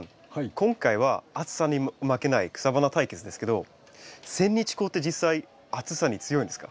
今回は暑さに負けない草花対決ですけどセンニチコウって実際暑さに強いんですか？